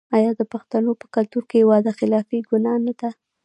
آیا د پښتنو په کلتور کې وعده خلافي ګناه نه ده؟